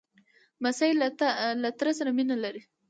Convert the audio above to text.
لمسی له تره سره مینه لري.